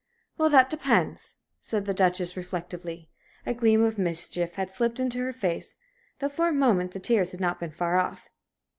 "Well, that depends," said the Duchess, reflectively. A gleam of mischief had slipped into her face, though for a moment the tears had not been far off.